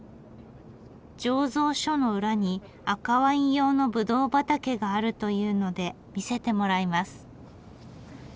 醸造所の裏に赤ワイン用のぶどう畑があるというので見せてもらいます。